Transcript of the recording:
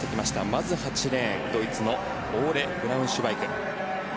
まず８レーン、ドイツのオーレ・ブラウンシュバイク。